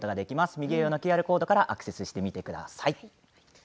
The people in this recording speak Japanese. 右上のＱＲコードからアクセスしてみてください。